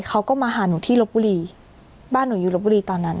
เขาก็มาหาหนูที่ลบบุรีบ้านหนูอยู่รบบุรีตอนนั้น